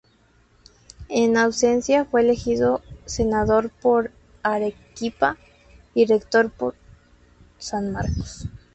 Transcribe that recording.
En ausencia fue elegido senador por Arequipa y rector de San Marcos.